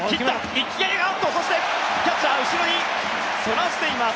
キャッチャーが後ろにそらしています。